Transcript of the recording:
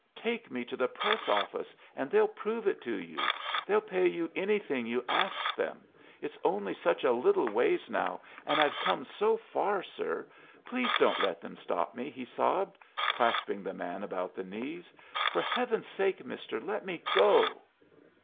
Take me to the Press office, and they'll prove it to you. They'll pay you anything you ask 'em. It's only such a little ways now, and I've come so far, sir. Please don't let them stop me," he sobbed, clasping the man about the knees. "For Heaven's sake, mister, let me go!"